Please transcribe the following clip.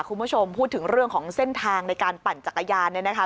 คุณผู้ชมพูดถึงเรื่องของเส้นทางในการปั่นจักรยานเนี่ยนะคะ